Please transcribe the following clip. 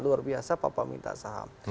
luar biasa papa minta saham